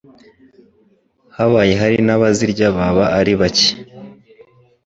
habaye hari n'abazirya baba ari bake